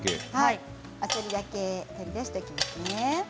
あさりだけ取り出しておきますね。